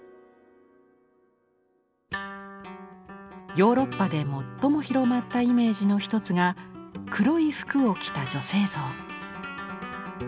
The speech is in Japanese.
ヨーロッパで最も広まったイメージの一つが黒い服を着た女性像。